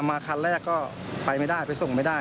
มาคันแรกก็ไปไม่ได้ไปส่งไม่ได้